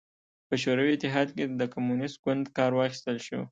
په شوروي اتحاد کې د کمونېست ګوند کار واخیستل شو.